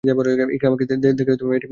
ইকরামাকে দেখে মেয়েটি মুচকি হাসে।